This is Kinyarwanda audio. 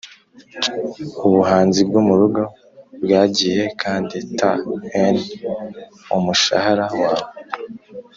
ubuhanzi bwo murugo bwagiye, kandi ta'en umushahara wawe;